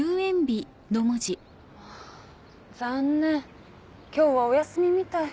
あ残念今日はお休みみたい。